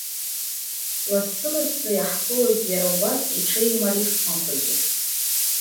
Лассы-лассы иаҳԥылоит иара убас иҽеим арифмақәагьы.